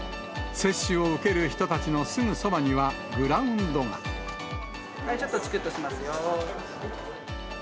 接種を受ける人たちのすぐそばにちょっとちくっとしますよ。